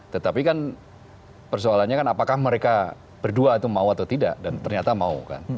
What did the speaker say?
tetapi kan persoalannya kan apakah mereka berdua itu mau atau tidak dan ternyata mau kan